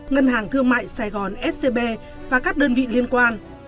ngân hàng thương mại sài gòn scb và các đơn vị liên quan